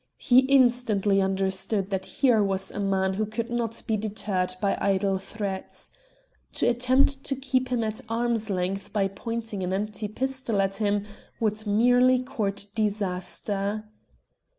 He instantly understood that here was a man who could not be deterred by idle threats. To attempt to keep him at arm's length by pointing an empty pistol at him would merely court disaster.